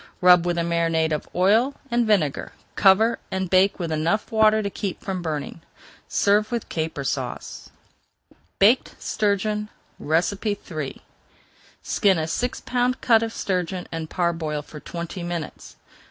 Rub with a marinade of oil and vinegar, cover, and bake with enough water to keep from burning. Serve with Caper Sauce. [Page 404] BAKED STURGEON III Skin a six pound cut of sturgeon and parboil for twenty minutes.